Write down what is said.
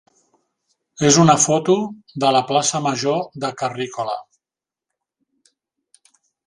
és una foto de la plaça major de Carrícola.